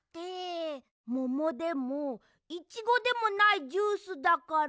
モモでもイチゴでもないジュースだから。